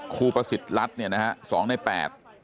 คูปศิษฐรักษ์เนี่ยนะฮะสองในแปด